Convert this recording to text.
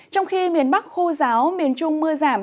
trong khi miền bắc khô giáo miền trung mưa giảm